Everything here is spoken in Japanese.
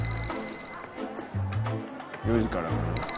４時からかな？